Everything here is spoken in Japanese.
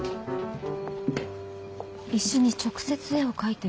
石に直接絵を描いてる。